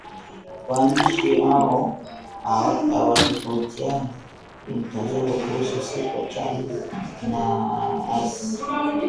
Waandishi hao hawatofautiani kimtazamo kuhusu sifa chanya na hasi